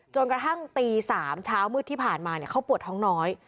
จนกระทั่งตี๓เช้ามืดที่ผ่านมาเขาปวดท้องน้อย